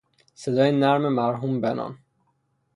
صدای نرم مرحوم بنان